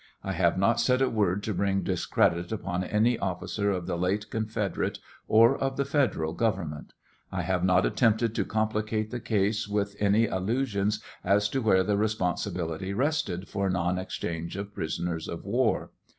I have not said a word to bring discredit upon any officer of the late confederate or of the federal government. 1 have not attempted to complicate the case with any allusions as to where the responsibility rested for non exchange of prisoners of war.